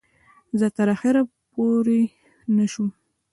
زه تر آخره پوی نه شوم.